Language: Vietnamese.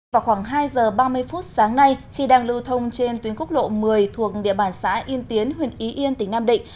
vào khoảng hai giờ ba mươi phút sáng nay khi đang lưu thông trên tuyến quốc lộ một mươi thuộc địa bàn xã yên tiến huyện ý yên tỉnh nam định